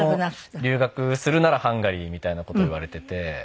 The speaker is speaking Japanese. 留学するならハンガリーみたいな事を言われてて。